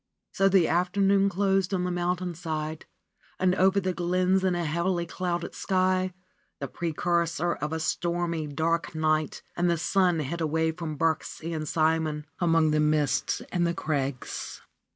So the afternoon closed on the mountainside and over the glens in a heavily clouded sky, the precursor of a stormy, dark night, and the sun hid away from Birksie and Simon among the mists and the crags.